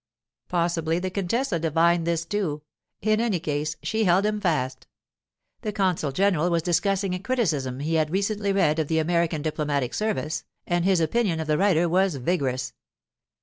Possibly the contessa divined this too; in any case, she held him fast. The consul general was discussing a criticism he had recently read of the American diplomatic service, and his opinion of the writer was vigorous.